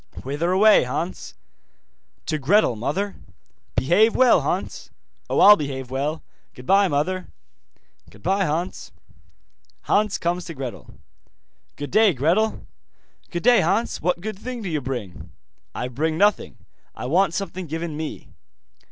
'Whither away, Hans?' 'To Gretel, mother.' 'Behave well, Hans.' 'Oh, I'll behave well. Goodbye, mother.' 'Goodbye, Hans.' Hans comes to Gretel. 'Good day, Gretel.' 'Good day, Hans. What good thing do you bring?' 'I bring nothing, I want something given me.